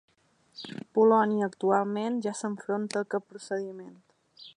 Polònia actualment ja s’enfronta a aquest procediment.